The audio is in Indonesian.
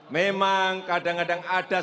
memang kadang kadang ada